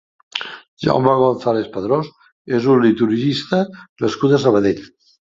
Jaume González Padrós és un liturgista nascut a Sabadell.